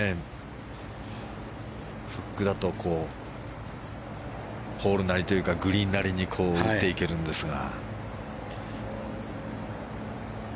フックだとホールなりというかグリーンなりに打っていけるんですが。